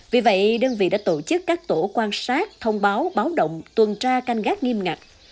vì vậy đơn vị đã tổ chức các tổ quan sát thông báo báo động tuần tra canh gác nghiêm ngặt